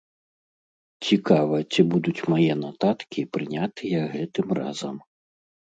Цікава, ці будуць мае нататкі прынятыя гэтым разам?